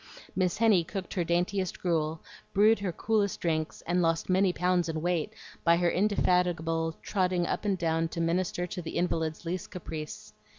Miss Henny cooked her daintiest gruel, brewed her coolest drinks, and lost many pounds in weight by her indefatigable trotting up and down to minister to the invalid's least caprice.